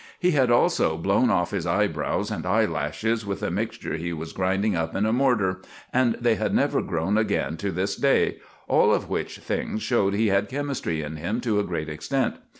He had also blown off his eyebrows and eyelashes with a mixture he was grinding up in a mortar, and they had never grown again to this day all of which things showed he had chemistry in him to a great extent.